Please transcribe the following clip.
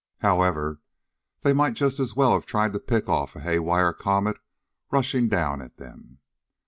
However, they might just as well have tried to pick off a haywire comet rushing down at them.